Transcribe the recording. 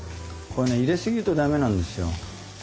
これね入れすぎると駄目なんですよ。